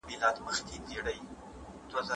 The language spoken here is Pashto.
دباندي باران دی پټو دي پر سر کړه.